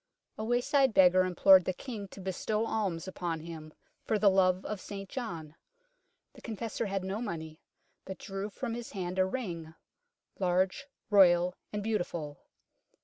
A wayside beggar implored the King to bestow alms upon him, for the love of St John. The Confessor had no money, but drew from his hand a ring, " large, royal, and beautiful."